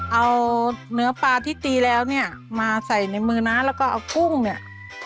เอาเนื้อปลาที่ตีแล้วเนี่ยมาใส่ในมือน้าแล้วก็เอากุ้งเนี่ย